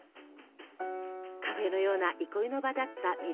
カフェのような憩いの場だったミルクホール。